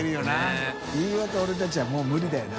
佑А飯尾と俺たちはもう無理だよな。